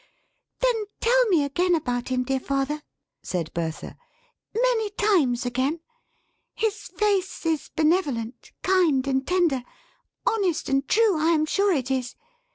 "Then, tell me again about him, dear father," said Bertha. "Many times again! His face is benevolent, kind, and tender. Honest and true, I am sure it is.